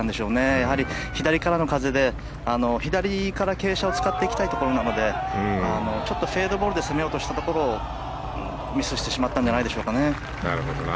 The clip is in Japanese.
やはり左からの風で左から傾斜を使っていきたいところなのでフェードボールで攻めようとしたところをミスしてしまったんじゃないでしょうかね。